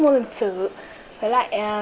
môn luyện sử với lại